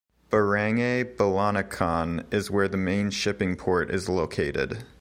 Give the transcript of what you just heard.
Barangay Balanacan is where the main shipping port is located.